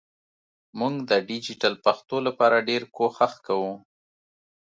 مونږ د ډیجېټل پښتو لپاره ډېر کوښښ کوو